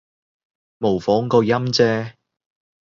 模仿個音啫